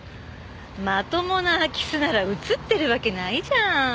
まともな空き巣なら映ってるわけないじゃん。